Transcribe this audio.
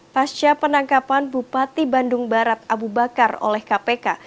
pasca penangkapan bupati bandung barat abu bakar oleh kpk